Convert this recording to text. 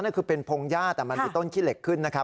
นั่นคือเป็นพงหญ้าแต่มันมีต้นขี้เหล็กขึ้นนะครับ